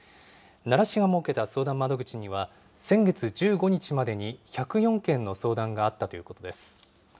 奈良市が設けた相談窓口には、先月１５日までに１０４件の相談があったということです。